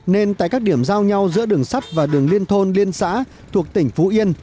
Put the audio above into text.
nên tại các điểm giao nhau giữa đường sắt và đường liên thôn liên xã thuộc tỉnh phú yên